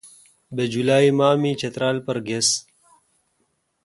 بہ جولالی ماہ می چترال پر گیس۔